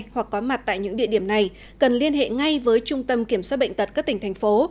hoặc có mặt tại những địa điểm này cần liên hệ ngay với trung tâm kiểm soát bệnh tật các tỉnh thành phố